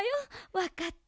わかった？